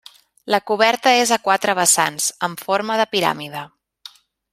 La coberta és a quatre vessants amb forma de piràmide.